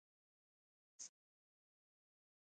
تاسو بايد ټول په گډه د ژبې د سمون هڅه وکړئ!